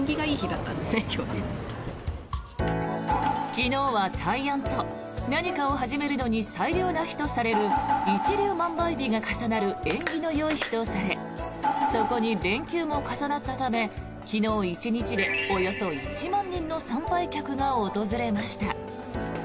昨日は大安と何かを始めるのに最良の日とされる一粒万倍日が重なる縁起のよい日とされそこに連休も重なったため昨日１日でおよそ１万人の参拝客が訪れました。